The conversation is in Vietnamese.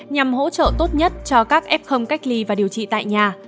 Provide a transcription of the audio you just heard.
nhằm hỗ trợ tốt nhất cho các f cách ly và điều trị tại nhà